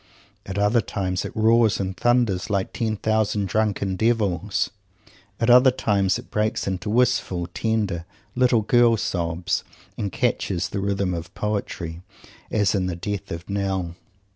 At other times it roars and thunders like ten thousand drunken devils. At other times it breaks into wistful, tender, little girl sobs and catches the rhythm of poetry as in the death of Nell.